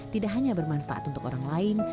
tidak hanya bermanfaat untuk orang lain